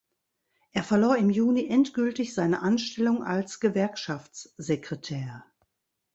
Er verlor im Juni endgültig seine Anstellung als Gewerkschaftssekretär.